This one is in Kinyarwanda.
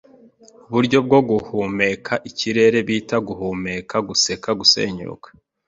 uburyo bwo guhumeka ikirere bita guhumeka, guseka, gusenyuka